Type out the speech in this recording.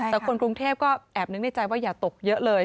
แต่คนกรุงเทพก็แอบนึกในใจว่าอย่าตกเยอะเลย